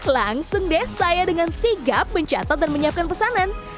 langsung deh saya dengan sigap mencatat dan menyiapkan pesanan